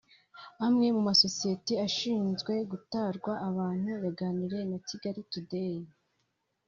Amwe mu masosiyeti ashinzwe gutarwa abantu yaganiriye na Kigali Today